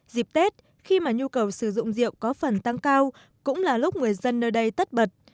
dịp tết khi mà nhu cầu sử dụng rượu có phần tăng cao cũng là lúc người dân nơi đây tất bật